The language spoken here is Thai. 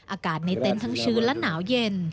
อากาศในเต็นต์ทั้งชื้นและหนาวเย็น